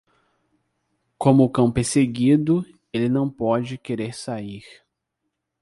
Como o cão perseguido, ele não pode querer sair.